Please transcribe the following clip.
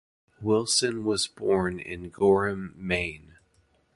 Wilson was born in Gorham, Maine.